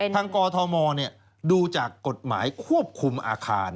ทางกธมเนี่ยดูจากกฎหมายควบคุมอาคาร